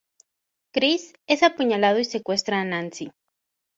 Chris es apuñalado y secuestra a Nancy.